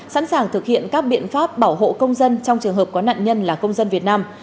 sẵn sàng thực hiện các biện pháp bảo hộ công dân trong trường hợp có nạn nhân là công dân việt nam